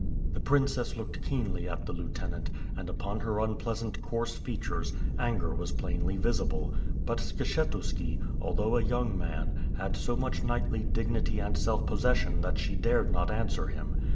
The princess looked keenly at the lieutenant; and upon her unpleasant coarse features, anger was plainly visible, but Skshetuski, although a young man, had so much knightly dignity and self possession that Sfhe dared not answer him.